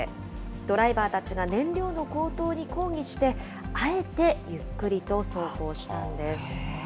ドライバーたちが燃料の高騰に抗議して、あえてゆっくりと走行したんです。